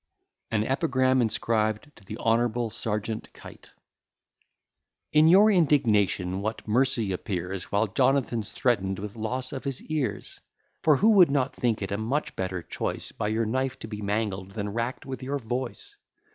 AN EPIGRAM INSCRIBED TO THE HONOURABLE SERGEANT KITE In your indignation what mercy appears, While Jonathan's threaten'd with loss of his ears; For who would not think it a much better choice, By your knife to be mangled than rack'd with your voice.